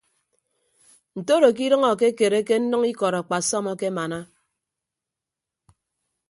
Ntoro ke idʌñ akekereke nnʌñ ikọd akpasọm akemana.